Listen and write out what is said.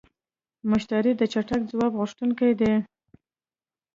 مشتری د چټک ځواب غوښتونکی دی.